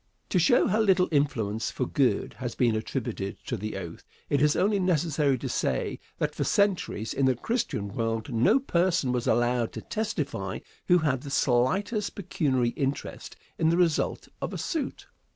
To show how little influence for good has been attributed to the oath, it is only necessary to say that for centuries, in the Christian world, no person was allowed to testify who had the slightest pecuniary interest in the result of a suit.